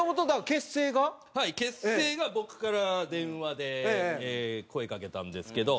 結成が僕から電話で声かけたんですけど。